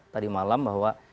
tadi malam bahwa